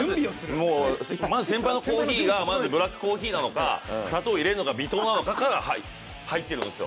まず先輩のコーヒーがブラックコーヒーなのか、砂糖を入れるのか微糖なのかから入ってるんですよ。